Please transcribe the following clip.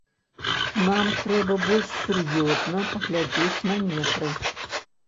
Нам трэба больш сур'ёзна паглядзець на нетры.